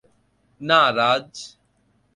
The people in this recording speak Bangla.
না, রাজ।